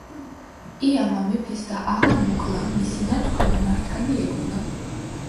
ეამა მეფეს და აღარ მოკლა. მისი ნათქვამი მართალი ეგონა.